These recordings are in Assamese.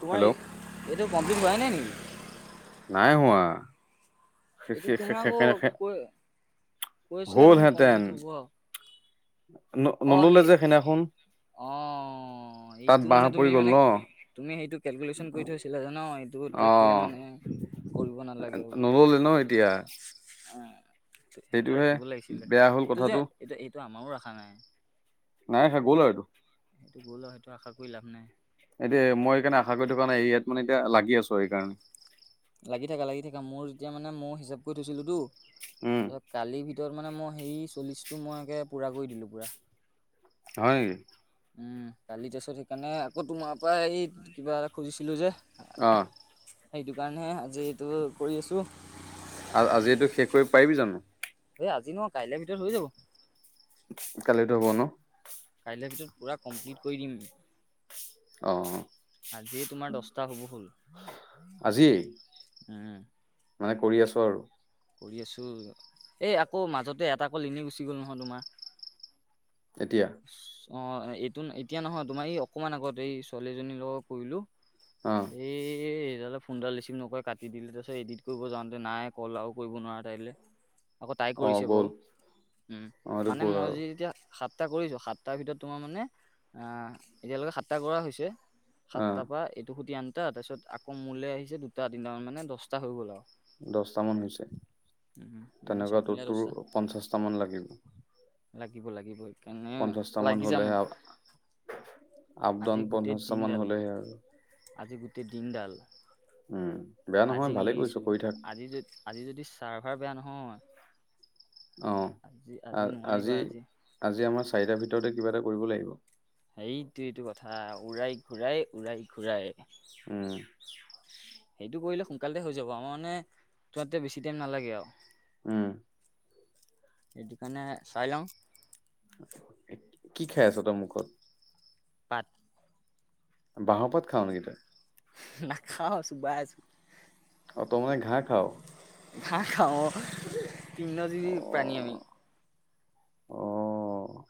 তোমাৰ হেল্ল' এ-এইটো কমপ্লিট হোৱাই নাই নেকি? নাই হোৱা। এইটো তুমি আকৌ কৈ-কৈ আছিলা দেখোন কমপ্লিট হ'ব আৰু। ন-নল'লে যে সেইদিনাখন। অ' তাত এইটো বাঁহ মানে তুমি পৰি মানে গ'ল ন তুমি সেইটো কেলকুলেশ্বন কৰি থৈছিলা জানো মই। দূৰত অ ৰাখিলে মানে, কৰিব নালাগে বুলি। নল'লে ন এতিয়া অ' সেইটো সেইটোহে ৰাখিব লাগিছিলে। বেয়া হ'ল এইটো যে কথাটো এইটো এইটো আমাৰো ৰাখা নাই। নাই খা সেইটো গ'ল আৰু এইটো সেইটো গ'ল আৰু সেইটো আশা কৰি লাভ নাই। এইটোৱে মই সেইকাৰণে আশা কৰি থকা নাই, এই ইয়াত মানে এতিয়া লাগি আছোঁ সেইকাৰণে। লাগি থাকা, লাগি থাকা, মোৰ যেতিয়া মানে মই হিচাপ কৰি থৈছিলো তো উম। পিছত কালিৰ ভিতৰত মানে মই হেৰি চল্লিশটো মই একে পুৰা কৰি দিলোঁ পুৰা। হয় নেকি? উম, কালি তাৰপিছত সেইকাৰণে আকৌ তোমাৰপৰা এই কিবা এটা খুজিছিলো যে। অ'। সেইকাৰণেহে আজি এইটো কৰি আছোঁ। আ-আজি এইটো শেষ কৰিব পাৰিবি জানো? এ, আজি নহয়, কাইলৈ ভিতৰত হৈ যাব। কালিতো হ'ব ন'? কাইলৈৰ ভিতৰত পুৰা কমপ্লিট কৰি দিম। অ আজিয়ে তোমাৰ দছটা হ'ব হ'ল। আজিয়েই উম। মানে কৰি আছ আৰু। কৰি আছোঁ। এই আকৌ মাজতে এটা কল এনেই গুচি গ'ল নহয় তোমাৰ। কেতিয়া? অ' এ, এইটো এতিয়া নহয়, তোমাৰ এই অকমান আগত এই ছোৱালীজনীৰ লগত কৰিলোঁ। অ'। এ সেইডালে ফোনডাল ৰিচিভ নকৰি কাটি দিলে, তাৰপিছত এডিট কৰিব যাওঁতে নাই কল আৰু কৰিব নোৱাৰা তাইলৈ। আকৌ তাই অ কৰিছে গ'ল বাৰু, উম, অ এইটো মানে গ'ল মই আৰু যে এতিয়া সাত সাতটা কৰিছোঁ, সাতটাৰ ভিতৰত তোমাৰ মানে, আ, এতিয়ালৈকে সাতটা কৰা হৈছে। অ সাতটাৰপৰা এইটো সুটি আনটা, তাৰপিছত আকৌ মোলৈ আহিছে দুটা তিনটামান, মানে দহটা হৈ গ'ল আৰু। দছটা মান হৈছে, উম মানে চব তেনেকুৱা মিলাই তোৰতো দহটা পঞ্চাশটা মান লাগিব। লাগিব, লাগিব, সেইকাৰণে পঞ্চাশটা মান লাগি যাম। হলেহে আপ আজি ডাউন গোটেই পঞ্চাশটা মান দিনডাল, হলেহে আৰু আজি গোটেই দিনডাল উম। বেয়া নহয় আজি ভালেই কৰিছ নেৰিছোঁ, কৰি থাক আজি যদি আজি যদি চাৰ্ভাৰ বেয়া নহয় আজি অ' আজি নোৱাৰিবা আ-আজি আজি আজি আমাৰ চাৰিটাৰ ভিতৰতে কিবা এটা কৰিব লাগিব। সেইটোৱেতো কথা, উৰাই ঘূৰাই, উৰাই ঘূৰাই। উম। এইটো কৰিলে সোনকালতে হৈ যাব, আমাৰ মানে তাত বেছি টাইম নালাগে আৰু। উম। সেইটো কাৰণে চাই লওঁ। কি খাই আছ তই মুখত? পাত। বাঁহৰপাত খাওঁ নেকি তই? নাখাওঁ, চোবাই আছোঁ। অ' তই মানে ঘাঁহ খাও? ঘাহঁ খাওঁ অ' তৃৰ্নজীৱি প্ৰাণী আমি। অ'।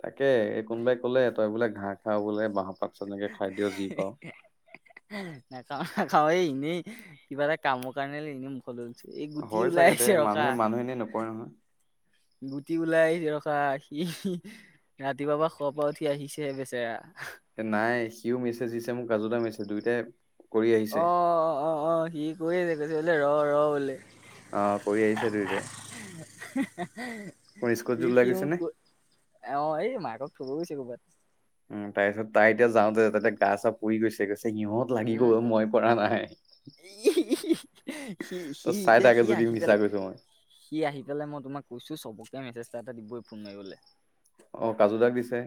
তাকে এই কোনোবাই কলে তই বোলে ঘাঁহ খাও বোলে, বাঁহৰ পাত চনেকে খাই দিয় বোলে যি পাও। নাখাওঁ-নাখাওঁ এই এনেই কিবা এটা কামৰ কাৰণে লাগি, এই গুটি হয় ওলাই চাগে দে আইছে ৰকা। মানুহে মানুহে এনেই নকয় নহয় গুটি ওলাই ৰখা সি। ৰাতিপুৱা শুৱাৰ পৰা উঠি আহিছেহে বেচেৰা। এ নাই সিও মেছেজ দিছে মোক কাজুদাই মেছেজ দুইটাই অ, অ, অ, অ, সি কৰি আছে কৈছে বোলে ৰ-ৰ বোলে। অ, কৰি আহিছে দুইটাই। স্কুলত ওলাই সি গৈছে নে মোক অ, এই মাকক থ'ব গৈছে কৰ'বাত। উম, তাইৰ পিছত তাই এতিয়া যাওঁতে গা চা পুৰি গৈছে কৈছে সিঁহত, লাগি গ'ল মই পৰা নাই। সি-সি তই চাই এতিয়া থাকে সি যদি আহিছিল। মিছা কৈছো মই সি আহি পেলাই মই তোমাক কৈছো চবকে মেছেজটা এটা এটা দিবই ফোন মাৰিবলে। অ, কাজু দাক দিছে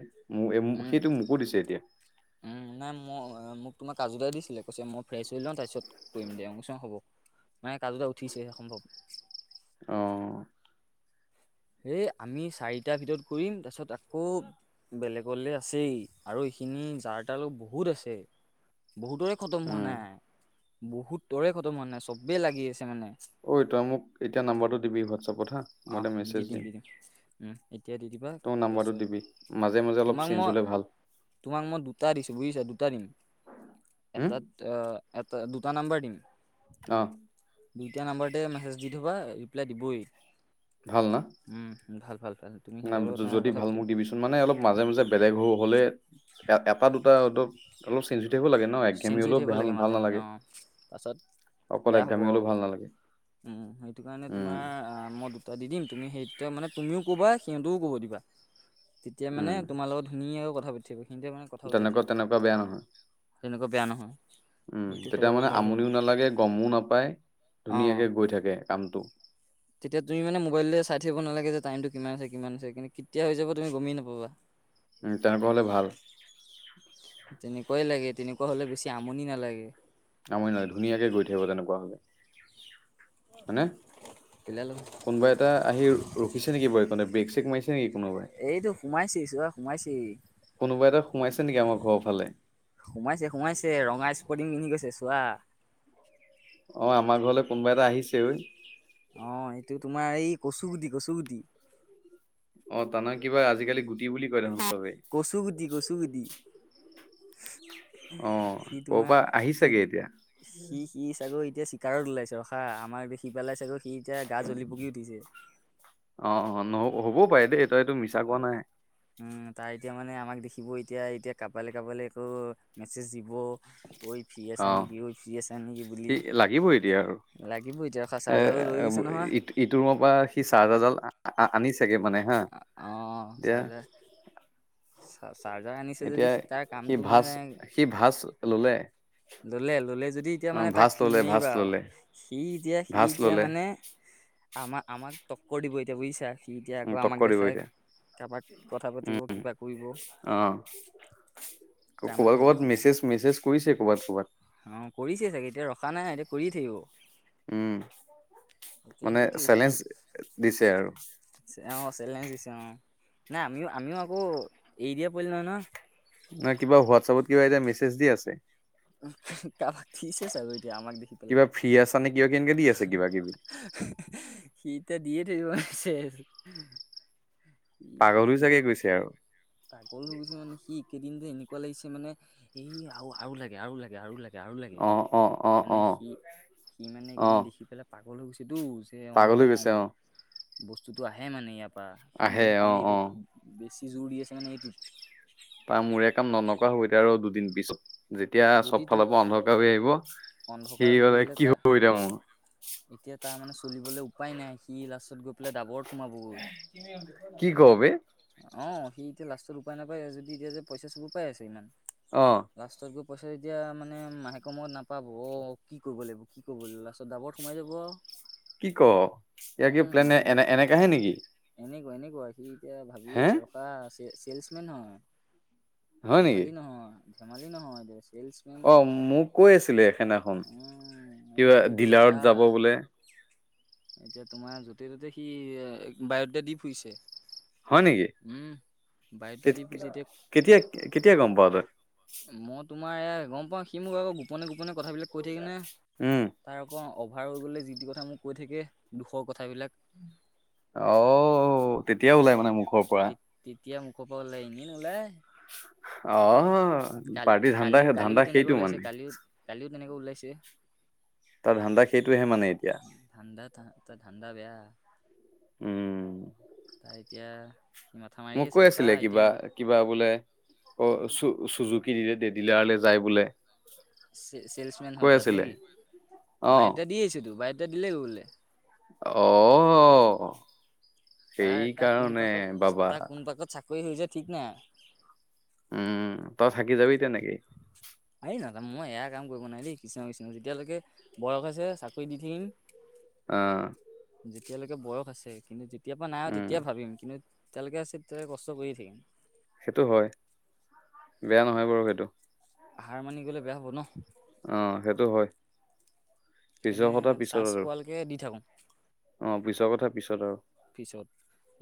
মোক উম সিইটো মোকো দিছে এতিয়া, উম, নাই মই মোক তোমাৰ কাজু দাই দিছিলে কৈছে মই ফ্ৰেছ হৈ লওঁ। তাৰপিছত কৰিম দে মই কৈছো হ'ব মানে কাজুতে উঠিছে সম্ভৱ। অ', হেই আমি চাৰিটাৰ ভিতৰত কৰিম তাৰ পিছত আকৌ, বেলেগলে আছেই আৰু এইখিনি যাৰ তাৰ বহুত আছে বহুতৰে খতম হোৱা উম নাই বহুতৰে খতম হোৱা নাই চবেই লাগি আছে মানে। ঐ তই মোক এতিয়া নাম্বৰটো দিবি হোৱাটছএপত হা মই আহ এটা মেজ দি দিম দি দিম উ এতিয়া দি দিবা তই মোক নাম্বাৰটো তাৰপিছত দিবি মাজে মাজে অলপ তোমাক চেঞ্জ হলে মই ভাল তোমাক মই দুটা দিছো বুজিছা দুটা দিম। হুম এটাত এটা দুটা নাম্বাৰ দিম, অ', দুইটা নাম্বৰতে মেছেজ দি থ'বা ৰিপ্লাই দিবই। ভাল ন, উম, ভাল-ভাল-ভাল না যদি ভাল মোক দিবিছোন। মানে অলপ মাজে-মাজে বেলেগ হৈ হলে এ এটা দুটা ধক অলপ চেনজিতিপো লাগে ন একঘেমি চেঞ্জ হৈ হলেও থাকিব বেয়া লাগে ভাল মাজে মাজে নালাগে। অ'। পাছত অকল এক গামী হলেও ভাল নালাগে। উ, সেইটো কাৰণে উম তোমাৰ ম ত দি দিম তুমি ইটো মানে তুমিও ক'বা, সিহঁতেও ক'ব দিবা। তেতিয়া মানে উম তোমাৰ লগত ধুনীয়াকৈ কথা পাতিব সন্তয়া মানে কথা উলিয়াই থাকিব। তেনেকুৱা-তেনেকুৱা বেয়া নহয় তেনেকুৱা বেয়া নহয় উম, সেইটো তেতিয়া ফালৰ পৰা মানে ভাল হ'ব আমনিও নাল। নালাগে গমো নাপায় অ'। ধুনীয়াকে গৈ থাকে কামতটো। তেতিয়া তুমি মে মোবাইললৈ চাই থাকিব নালাগে যে টাইমটো কি আ কিমান আছে, কিন্তু কেতিয়া হৈ যাব তুমি গমেই নাপাবা। [inaudible] উম, তেনেকুৱা হ'লে ভাল। তেনেকুৱাই লাগে তেনেকুৱা হলে বেছি আমনি নালাগে। আমৰি নহয় ধুনীয়াকে গৈ থাকিব তেনেকুৱা হলে, হয়নে? কেলেই লাগে, কোনোবা এটা আহি ৰখিছে নেকি বাৰু এই কনট ব্ৰেক চছেক মাৰিছে নেকি কোনোবাই? এইটো সোমাইছি চো সোমাইছি। কোনোব এটা সোমাই নে আমাৰ ঘৰৰ ফালে। সোমাইছে-সোমাইছে ৰঙা স্পৰ্টিং পিন্ধিৈছে চোৱা। অ, আমাৰ ঘৰলৈ কোনোবা এটা আহিছে ঐ। অ, এইটো তোমাৰ এই কচুগুটি-কচুগুটি। অ, তানহয় কিবা আজিকালি গুটি বুলি কয় চবে। কচুগুটি কছুগুটি। অ সি ক'ৰ তোমাৰ পৰা সি আহিছাগে এতিয়া সি সি চাগৈ এতিয়া চিকাৰত ওলাইছে ৰখা আমাক দেখি পেলাই চাগো সি এতিয়া গা জ্বলি পকি উঠিছে। অ', অ', নহ হ'ব পাৰে দেই তইতটো মিছা কোৱা হয়, নাই। উম তাই এতিয়া মানে আমাক দেখিব এতিয়া এতিয়া কাবালৈ কাবালৈ একো মেছেজ দিব। ঐফি আছা অ নে কি ফি এছা ন কি বুলি? সি লাগিবই এতিয়া আৰু লাগিব এতিয়া চাৰ্জাৰডাল লৈ গৈছে নহয়। ইটোৰ ৰুমৰ পৰা সি চাৰ্জাৰডাল আনিছেগে মানে হা এতিয়া চ চাৰ্জাৰ আনিছে এতিয়া যদি সি তাৰ কামটো ভাজ মানে সি ভাজ ললে ললে ললে যদি এতিয়া অ মানে তাক ভাজ ললে ভাজ নেৰিবা আৰু ললে সি এতিয়া সি ভাজ এতিয়া ললে মানে। আমাক আমাক টক্কৰ দিব এতিয়া বুজিছা সি এতিয়া উম আকৌ আমাক টক্কৰ দিব দেখাই এতিয়া কাৰোবাক কথা উম পাতিব কিবা কৰিব। অ তাৰ মানে ক'বাত এতিয়া ক'বাত সম মেছেজ, মেছেজ কৰিছে ক কৰ'বাত ক'বাত। অ', কৰিছে চাগে এতিয়া ৰখা নাই এতিয়া কৰিয় থাকিব। উম, এতিয়া মানে সেইটোৱে সি চেলেঞ্জ দিছে আৰু অ', চেলেঞ্জ দিছে অ', নাই আমিও আমিও আকৌ এৰি দিয়া পৰিলো নহয় ন? না কিবা হোৱাটছাপপত কিবা এতিয়া মেছেজ দি আছে। কাৰোবাক দিছে চাগৈ আৰু এতিয়া আমাক দি কিবা ফ্ৰী আছ নে? কিয় কে এনেকে দি আছে কিবা কিবি সিটা দিয়ে থাকিব শেষ। পাগল জাগে গৈছে আৰু পাগল হৈ গৈছে মানে সি কেইদিন যে এনেকুৱা লাগিছে মানে এই আৰু আৰু লাগে আৰু লাগে আৰু লাগে। আৰু লাগে অ', অ' অ', মানে অ'। সি সি মানে অ এইকেইদিন দেখি পেলাই পাগল হৈ গৈছে তো। পাগল হৈ গৈছে অ'। বস্তুতটো আহে মানে ইয়াৰ পৰা সি আহে মানে অ সেইকাৰণে অ এইটোত বেছি জোৰ দি আছে মানে এইটোত। তাৰ মোৰে কাম নকা হ'ব আৰু দুদিন পিছত। যেতিয়া যদি চব তুম ফালৰ পৰা অন্ধকাৰ হৈ আহিব অন্ধকাৰ সি হৈ হলে আহিলে কি তাৰ হ'ব এতিয়া মোৰ এতিয়া তাৰ মানে চলিবলৈ উপায় নাই সি লাষ্টত গৈ পেলাই ডাবৰত সোমাব গ'ল। কি ক বেহ। অ', সি এতিয়া লাষ্টৰ উপায় নাপায় যদি এতিয়া যে পইচা চবুৰ পাই আছে ইমান। অ'। লাষ্টত গৈ পইচা যেতিয়া মানে মাহেক মত নাপাব অ', কি কৰিব লাগিব কি কৰিব লাগিব লাষ্টত ডাবৰ সোমাই যাব কি, ক ইয়াৰ কি উম প্লেনে সুধি এনে এনেক আহে নেকি? এনেকুৱা এনেকুৱা সি এতিয়া ভাবিয়ে হে আছে ৰখা চেলচমেন হয়। হয় নেকি ধেমালি নহয় ধেমালি নহয় এ চেল অ', মোক কৈ আছিলে সেনাখন উম কিবা এইটো এইটো ডিলাৰত কথা যাব বোলে। এতিয়া তোমাৰ য'তে ত'তে সি বায়দেতা ফুৰিছে। হয় নেকি উম বায়'ডাটা দি ফুৰিছে এতিয়া কেতিয়া কেতিয়া গ'ম পাৱ তই। মই তোমাৰ এ গ'ম পাওঁ সি মোক আকৌ গোপনে, গোপনে কথাবিলাক কৈ থাকেনে। উম তাৰ আকৌ অভাৰ হৈ গ'লে যি তি কথা মোক কৈ থাকে দুখৰ কথাবিলাক আহ তেতিয়া ওলাই মানে মুখৰ পৰা তেতিয়া মোকো পৰা ওলাই এনে নোলায়। অ', কালি পাৰ্টি ধান্দা, কালিও কালিও ধান্দা তেনেকৈ সেইটো ওলাইছে মানে। কালিও কালিও তেনেকে ওলাইছে। তাৰ ধান্দা সেইটোহে মানে এতিয়া। ধান্দা ত ধান্দা বেয়া। উম। তাই এতিয়া স মাথা মাৰি মোক কৈ আছে ৰখা আছিলে কিবা এতিয়া। কিবা বোলে অ' চু-চুজুকি দিলে ড-ডিলাৰলৈ যায় বোলে। চে-ছেলচমেন হয় কৈ তাত আছিলে। নেকি? অ', বাইতটা দি আহিছোতো বাইটা দিলে হ'ব বোলে। অ'। তাৰ তাৰ সেইকাৰণে কোনপাকত বাবা। তাৰ কোনপাকত চাকৰি হৈ যায় ঠিক নাই। উম, তই থাকি যাবি তেনেকেই। আই, নাযা, মই এয়া কাম কৰিব নোৱাৰি দেই, কিছুমান কিছুমান যেতিয়ালৈকে বয়স আছে চাকৰি দি থাকিম। অ'। যেতিয়ালৈকে বয়স আছে কিন্তু যেতিয়াৰপৰা নাই আৰু উম, তেতিয়া ভাবিম কিন্তু যেতিয়ালৈকে আছে কষ্ট কৰিয়ে থাকিম। সেইটো হয়, বেয়া নহয় বাৰু সেইটো। হাৰ মানি গ'লে বেয়া হ'ব ন'? অ' সেইটো হয়। পিছৰ সেইকাৰণে কথা পিছত চাঞ্চ আৰু। পোৱালৈকে দি থাকোঁ। অ' পিছৰ কথা পিছত আৰু। পিছত,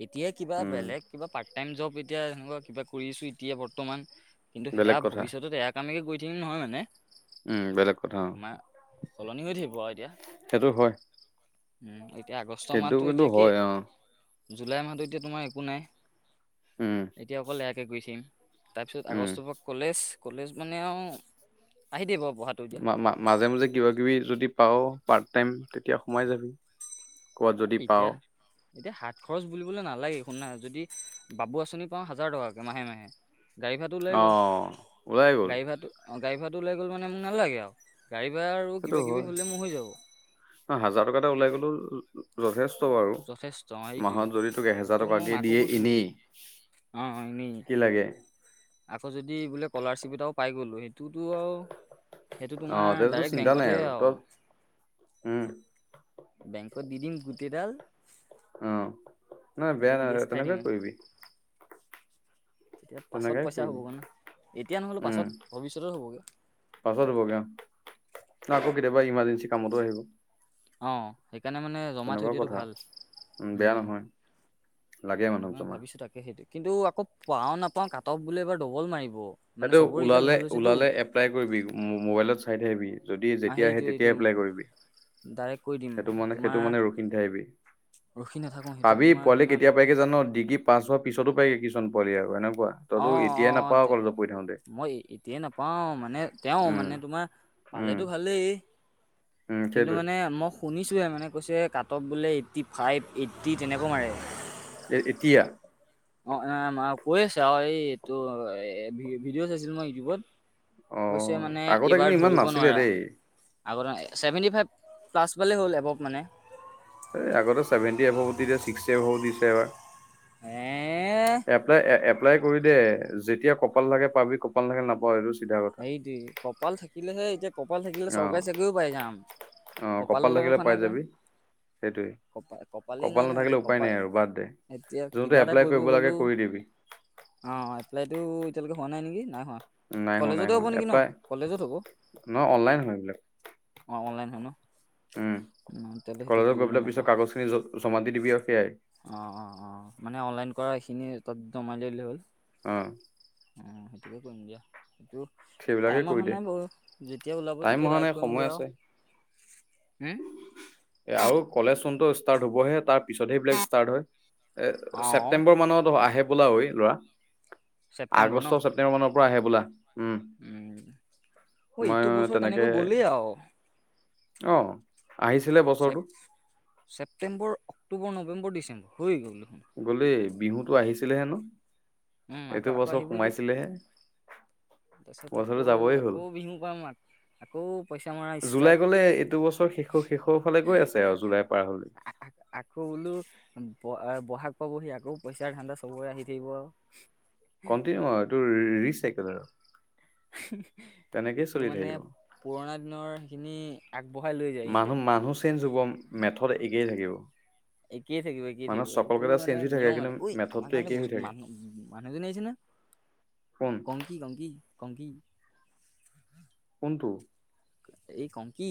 এতিয়া কিবা উম, বেলেগ কিবা পাৰ্ট টাইম জব এতিয়া তেনেকুৱা কিবা কৰি আছোঁ এতিয়া বৰ্তমান কিন্তু সেয়া বেলেগ কথা। ভৱিষ্যত এ কামেই কৰি থাকিম নহয় মানে। উম, বেলেগ কথা অ'। তোমাৰ সলনি হৈ থাকিব আৰু এতিয়া। সেইটো হয়, এতিয়া আগষ্ট সেইটো মাহটো কিন্তু এতিয়া কি, হয় অ', জুলাই মাহটো এতিয়া তোমাৰ একো নাই। উম। এতিয়া অকল এয়াকে কৰি থাকিম, তাৰপিছত উম। আগষ্টৰপৰা কলেজ, কলেজ মানে আৰু আহি থাকিব বাৰু পঢ়াত। মা-মা-মাজে মাজে কিবা কিবি যদি পাওঁ পাৰ্ট টাইম তেতিয়া সোমাই যাবি। ক'ৰবাত যদি এতিয়া পাওঁ, এতিয়া হাত খৰচ বুলিবলৈ নালাগে, শুননা যদি বাবু আঁচনি পাওঁ হাজাৰ টকাকে মাহে মাহে গাড়ী ভাড়াটো ওলাই গ'ল, অ', ওলাই গ'ল গাড়ী ভাড়াটো অ' গাড়ী ভডাটো লাই গ'ল মানে মোৰ নালাগে আৰু। গাড়ী ভাড়া আৰু সেইটো কিবা কিবি হয়। হ'লে মোৰ হৈ যাব। ন' হাজাৰ টকা এটা ওলাই গলেও যথেষ্ট বাৰু, যথেষ্ট অ, সেইটোৱে মাহত যদি তোক এহেজাৰ সেইটো মই টকাকে মাকো দিয়ে কৈছোঁ বোল এনেই অ' এনেই। কি লাগে আকৌ যদি বোলে কলাৰশ্বিপ এটাও পাই গ'লো, সেইটোতো আৰু সেইটো অ', তোমাৰ তেতিয়াতো ডাইৰেক্ট চিন্তা নাই বেংকতহে আৰু। তই উম। বেংকত দি দিম গোটেই ডাল অ' নাই বেয়া নাই বেয়া ইণ্টাৰেষ্ট নহয়, খাই দিম তেনেকেই কৰিবি। তেতিয়া পাছত তেনেকাই পইচা কৰিবি হ'বগৈ ন' এতিয়া নহ'লে উম, পাছত ভৱিষ্যতৰ হ'বগৈ। পাছত হ'বগে অ' বা আকৌ কেতিয়াবা ইমাৰ্জেঞ্চি কামতো আহিব। অ' সেইকাৰণে মানে জমা থৈ তেনেকুৱা দিয়াটো কথা, ভাল, উম, বেয়া নহয়। লাগে সেইটো মানুহক মই জমা। ভাবিছোঁ, তাকে সেইটোৱে। কিন্তু আকৌ পাওঁ নাপাওঁ, কাট অফ বুলে এইবাৰ ডবল মাৰিব। মানে সেইটো চবৰে ৰিজাল্ট ওলালে ভাল হৈছেতো ওলালে এপ্লাই কৰিবি, মোবাইলত চাই থাকিবি। যদি যেতিয়া আহে সেইটো এইটো তেতিয়াই এপ্লাই কৰিবি, ডাইৰেক্ট কৈ দিম সেইটো মানে তোমাৰ সেইটো মানে ৰখি নেথাকিবি। ৰখি নাথাকো, সেইটো তোমাক বুলে কেতিয়া পায়গে জান' ডিগ্ৰী পাছ হোৱাৰ পিছতো পাইগে কিছুমান পোবালি আৰু এনেকুৱা। তইতো অ', এতিয়াই অ' নাপাৱ কলেজত পঢ়ি থাকোতে মই এতিয়ে নাপাও মানে, তেওঁ উম মানে তোমাৰ উম পালেতো ভালেই উম কিন্তু সেইটোৱে মানে মোক শুনিছোঁৱে মানে, কৈছে কাট অফ বুলে এইট্টি ফাইভ, এইট্টি তেনেকুৱা মাৰে। এ-এতিয়া? অ' কৈ আছে আৰু এই এইটো ভিডিঅ' চাইছিলো মই ইউটিউবত অ কৈছে মানে আগতে কিন্তু এইবাৰ ইমান ধৰিব নাছিলে নোৱাৰা। দেই আগৰ ছেভেণ্টি ফাইভ প্লাছ পালে হ'ল এবভ মানে এই আগতে চছেভেনটি এভাৱো দি ছিক্সটি এভাৱো দিছে এবাৰ হে এপ্লাই এপ্লাই কৰি দে যেতিয়া কপাল থাকে পাবি কপাল থাকে নাপাৱ এইটো চিধা কথা সেইটোৱেই কপাল থাকিলেহে এতিয়া কপাল থাকিলে অ চৰকাৰী চাকৰিও পাই যাম কপালৰ লগতখনে কৈ সেইটোৱেই নাই কপাল নহয় এতিয়া নাথাকিলে উপায় কপাল নাই আৰু বাদ দে এতিয়া কিবা যোনটো এপ্লাই কৰিব লাগে কৰি দিবি অঁ এপ্লাইটো এতিয়ালৈকে হোৱা নাই নেকি নাই হোৱা নাই হোৱা নাই কলেজতে হ'ব হোৱা নেকি ন এপ্লাই কলেজত হ'ব নহয় অনলাইন হয় এইবিলাক অ অনলাইন হয় ন উম তেতিয়াহ'লে সেইটো কলেজত কৰি গৈ ল'ম পেলাই ৰখা পিছত কাগজ খিনি জমা দি দিবি আৰু সেয়াই অ অ অ মানে অনলাইন কৰা এইখিনি তাত নমাই লৈ ললে হ'ল অ উ সেইটোকে কৰিম দিয়া সেইবিলাকে টাইম কৰি অহা দে নাই বাৰু যেতিয়া ওলাব টাইম তেতিয়া হোৱা নাই ড্ৰাইভ সময় কৰিমগে আও আছে হম এ আৰু কলেজ চোনটো ষ্টাৰ্ট হ'বহে তাৰ পিছতহে বললোক ষ্টাৰ্ট হয় এ অ ছেপ্তেম্বৰ মানত আহে বোলা ঐ ল'ৰা ছেপ্টেম্বৰ ন আগষ্ট তেওঁৰ মানৰ পৰা আহে বোলে উম অ মই এইটো বছৰত তেনেকে এনেকৈ গ'লেই আৰু অ আহিছিলে ছেপ বছৰটো ছেপ্টেম্বৰ অক্টোবৰ নৱেম্বৰ ডিচেম্বৰ হৈ গ'ল দেখুন গ'লই বিহুতটো আহিছিলেহে ন উম আকৌ এইটো আকৌ বছৰ আহিব এতিয়া সোমাইছিলেহে [unintelligible] তাৰপিছত বছৰটো আকৌ যাবই হ'ল আকৌ বিহু পাম আকৌ পইচা মৰা ষ্টাৰ্ট ত শেষৰ ফালে গৈ আছে আৰু জুলাই পাৰ হলে আকৌ বোলো ব'হাগ পাবহি আকৌ পইচা ধাণ্ডা চবৰে আহি থাকিব কটিনিউ আও এইটো ৰিচাইকেলল আৰু তেনেকেই এইটো চলি মানে থাকিব। পুৰণা দিনৰ সেইখিনি আগবঢ়াই লৈ যায় সিহঁতে মানুহ মানুহ চেঞ্জ হব মেথত একেই থাকিব একে থাকিব একে মানুহ থাকিব চকল এইটো কেইটা মানে চেঞ্জ হৈ থাকে নিয়ম মান কিন্তু ঐ আমাৰ মেথডটো কাৰণে একেই হৈ বসু থাকে মানুহ মানুহজনী আহিছে ন কোন কংকি কংকি কংকি কোনটো এই কংকি